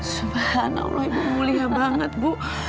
subhanallah ibu mulia banget bu